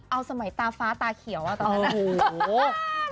เอาสมัยตาฟ้าตาเขียวอ่ะตอนนั้น